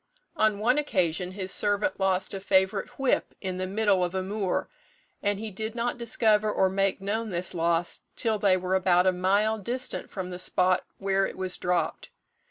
On one occasion his servant lost a favourite whip in the middle of a moor, and he did not discover or make known this loss till they were about a mile distant from the spot where it was dropped.